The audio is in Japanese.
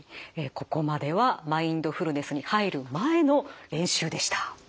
ここまではマインドフルネスに入る前の練習でした。